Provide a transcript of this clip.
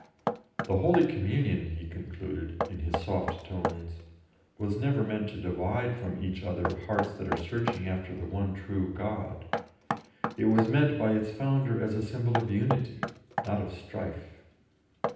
"The Holy Communion," he concluded, in his soft tones, "was never meant to divide from each other hearts that are searching after the one true God. It was meant by its founder as a symbol of unity, not of strife."